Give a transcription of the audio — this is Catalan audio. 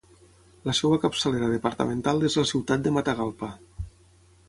La seva capçalera departamental és la ciutat de Matagalpa.